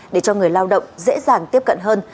để cho người lao động dễ dàng tiếp cận hơn